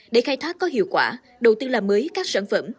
để khai thác có hiệu quả đầu tư làm mới các sản phẩm